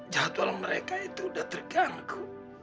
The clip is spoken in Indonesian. jadwal mereka itu sudah terganggu